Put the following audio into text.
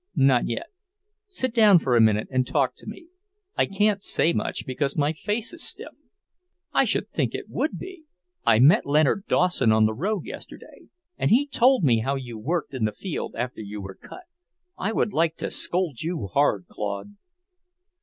"Not yet. Sit down for a minute and talk to me. I can't say much because my face is stiff." "I should think it would be! I met Leonard Dawson on the road yesterday, and he told me how you worked in the field after you were cut. I would like to scold you hard, Claude."